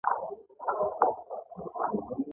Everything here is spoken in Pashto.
ګنګا سیند ته مور وايي.